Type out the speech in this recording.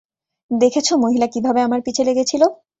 দেখেছ, মহিলা কীভাবে আমার পিছে লেগেছিল?